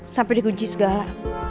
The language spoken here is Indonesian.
sampai dikunci segala